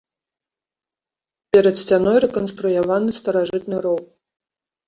Перад сцяной рэканструяваны старажытны роў.